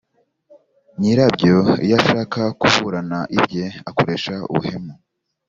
nyirabyo, iyo ashaka kuburana ibye, akoresha ubuhemu.